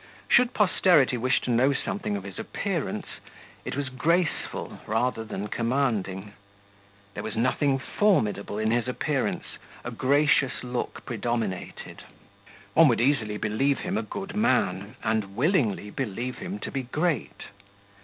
Should posterity wish to know something of his appearance, it was graceful rather than commanding. There was nothing formidable in his appearance; a gracious look predominated. One would easily believe him a good man, and willingly believe him to be great.